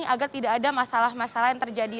agar tidak ada masalah masalah yang terjadi